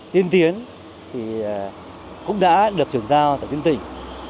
tiên tiến thì cũng đã được chuyển giao tại tuyến tỉnh